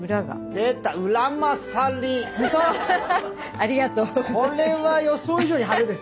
ありがとうございます。